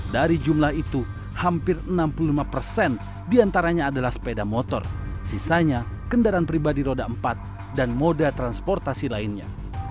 dari jumlah itu hampir enam puluh lima persen diantaranya adalah sepeda motor sisanya kendaraan pribadi roda empat dan moda transportasi lainnya